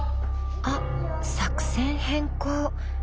あっ作戦変更。